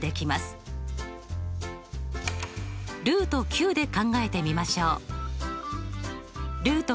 で考えてみましょう。